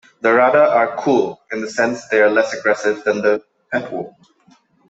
The Rada are "Cool" in the sense they are less aggressive than the Petwo.